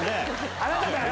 あなただよ。